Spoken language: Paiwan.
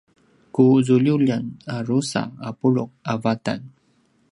ku zululjen a drusa a pulu’ a vatan